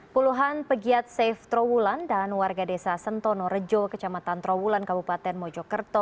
puluhan pegiat safe trawulan dan warga desa sentono rejo kecamatan trawulan kabupaten mojokerto